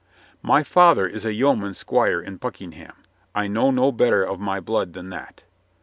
"My father is a yeoman squire in Buckingham. I know no better of my blood than that."